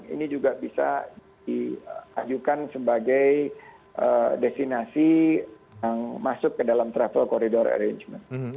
ini juga bisa diajukan sebagai destinasi yang masuk ke dalam travel corridor arrangement